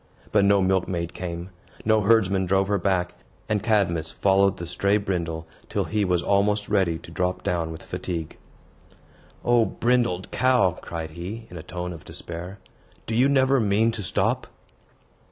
But no milkmaid came; no herdsman drove her back; and Cadmus followed the stray Brindle till he was almost ready to drop down with fatigue. "O brindled cow," cried he, in a tone of despair, "do you never mean to stop?"